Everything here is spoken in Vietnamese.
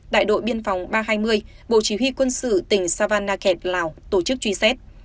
đại đội biên phòng ba trăm hai mươi bộ chỉ huy quân sự tỉnh savanakhet lào tổ chức truy xét